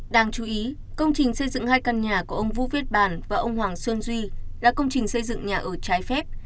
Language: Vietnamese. đáng chú ý công trình xây dựng hai căn nhà của ông vũ viết bàn và ông hoàng xuân duy là công trình xây dựng nhà ở trái phép